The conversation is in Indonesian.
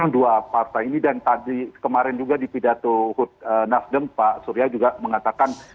dua partai ini dan tadi kemarin juga di pidato nasdem pak surya juga mengatakan